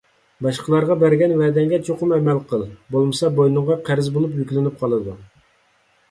باشقىلارغا بەرگەن ۋەدەڭگە چوقۇم ئەمەل قىل. بولمىسا بوينۇڭغا قەرز بولۇپ يۈكلىنىپ قالىدۇ.